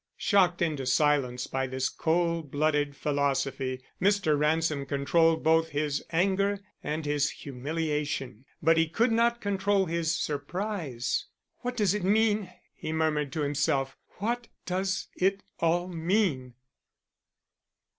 Shocked into silence by this cold blooded philosophy, Mr. Ransom controlled both his anger and his humiliation; but he could not control his surprise. "What does it mean?" he murmured to himself. "_What does it all mean?